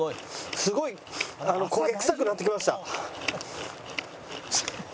すごい焦げ臭くなってきました。